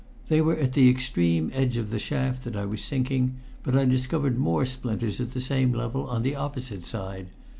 They were at the extreme edge of the shaft that I was sinking, but I discovered more splinters at the same level on the opposite side.